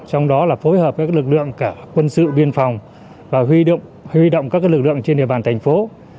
trong đó là phối hợp các lực lượng cả quân sự biên phòng và huy động các lực lượng trên địa bàn thành phố